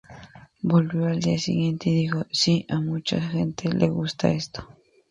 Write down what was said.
Volvió al día siguiente y dijo: "Sí, a mucha gente le gusta esto.